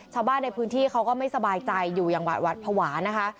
ชาวบ้านในพื้นที่เขาก็ไม่สบายใจอยู่อย่างหวาดภาวะนะคะ